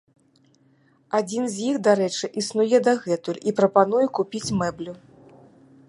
Адзін з іх, дарэчы, існуе дагэтуль і прапануе купіць мэблю.